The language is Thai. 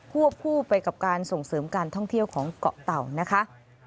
วบคู่ไปกับการส่งเสริมการท่องเที่ยวของเกาะเต่านะคะ